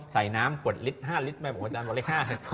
ใส่น้ำกวดลิตร๕ลิตรไม่บอกว่าอาจารย์ว่าเล็ก๕